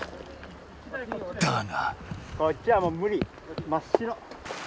だが！